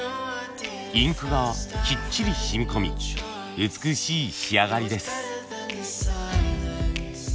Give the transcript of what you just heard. インクがきっちり染み込み美しい仕上がりです。